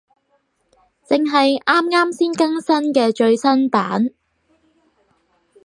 正係啱啱先更新嘅最新版